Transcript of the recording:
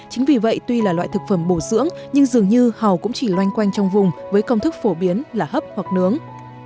chính vì vậy tuy là loại thực phẩm bổ dưỡng nhưng dường như hầu cũng chỉ loanh quanh trong vùng với công thức phổ biến là hấp hoặc nướng